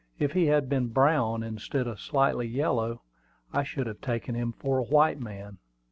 If he had been brown, instead of slightly yellow, I should have taken him for a white man.